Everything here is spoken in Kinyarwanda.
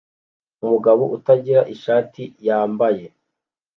Umugabo utagira ishati wambaye